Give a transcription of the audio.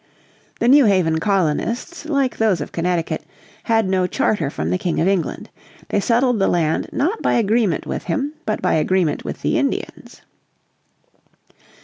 The New Haven colonists, like those of Connecticut, had no charter from the King of England. They settled the land not by agreement with him, but by agreement with the Indians.